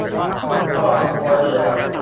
ครอบครัวเดี่ยว